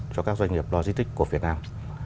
cho các doanh nghiệp logistics của việt nam